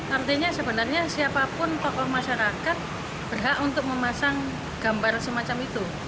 artinya sebenarnya siapapun tokoh masyarakat berhak untuk memasang gambar semacam itu